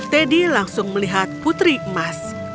teddy langsung melihat putri emas